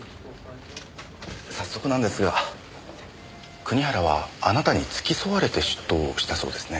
早速なんですが国原はあなたに付き添われて出頭したそうですね？